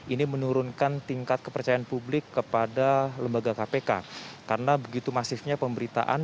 ini menurunkan tingkat kepercayaan publik kepada lembaga kpk karena begitu masifnya pemberitaan